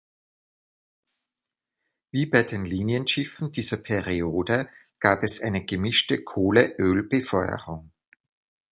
Wie bei den Linienschiffen dieser Periode gab es eine gemischte Kohle-Öl-Befeuerung.